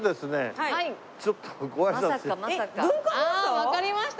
わかりました。